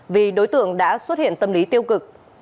vì đối tượng đã xuất hiện tâm lý tiêu cực